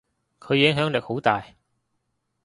佢影響力好大。